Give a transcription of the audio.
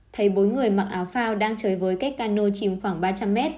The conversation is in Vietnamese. thấy bốn người mặc áo phao đang chơi với cách cano chìm khoảng ba trăm linh m